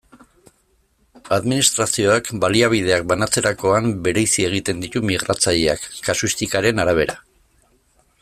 Administrazioak baliabideak banatzerakoan bereizi egiten ditu migratzaileak, kasuistikaren arabera.